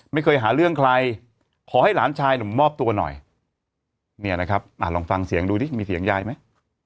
ไม่เคยหาเรื่องใครขอให้หลานชายหนุ่มมอบตัวหน่อยเนี่ยนะครับลองฟังเสียงดูดิมีเสียงยายไหม